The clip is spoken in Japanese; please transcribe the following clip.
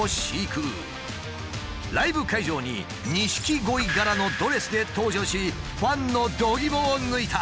ライブ会場に錦鯉柄のドレスで登場しファンのどぎもを抜いた。